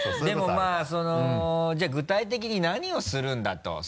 でもまぁじゃあ具体的に何をするんだと。